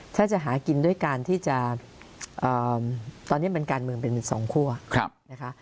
ถ้าจะหากินด้วยการที่จะตอนนี้เป็นการเมืองเป็นสองคั่วนะคะ